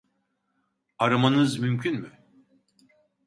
Aramanız mümkün mü?